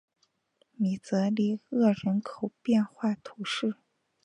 米泽里厄人口变化图示